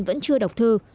vẫn chưa đọc thư